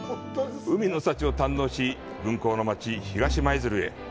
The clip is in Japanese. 海の幸を堪能し、軍港の町・東舞鶴へ。